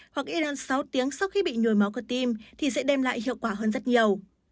hoặc ít hơn sáu tiếng sau khi bị nhồi máu cơ tim thì sẽ đem lại hiệu quả hơn rất nhiều